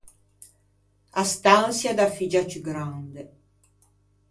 A stançia da figgia ciù grande.